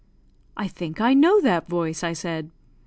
"I think I know that voice," I said.